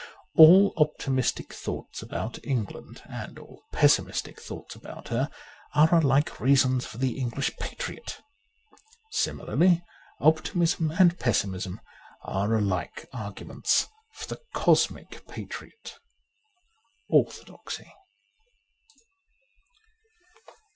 All optimistic thoughts about England and all pessimistic thoughts about her are alike reasons for the English patriot. Similarly, optimism and pessimism are alike arguments for the cosmic patriot. ^Orthodoxy.''